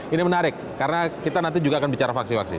ini menarik karena kita nanti juga akan bicara faksi faksi